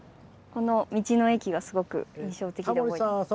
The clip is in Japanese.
この道の駅がすごく印象的で覚えてます。